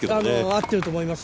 合ってると思います。